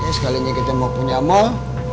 ya sekalian kita mau punya mall